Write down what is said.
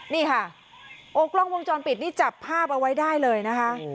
นี่ค่ะโอ้กล้องวงจรปิดนี่จับภาพเอาไว้ได้เลยนะคะ